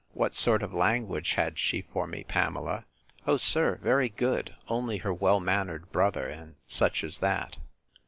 What sort of language had she for me, Pamela? O sir, very good, only her well mannered brother, and such as that!